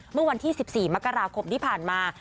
เมื่อวันที่๑๔มกราคมที่ผ่านมา